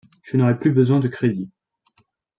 Je n’aurai plus besoin de crédit.